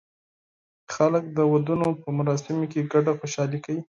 خلک د ودونو په مراسمو کې ګډه خوشالي کوي.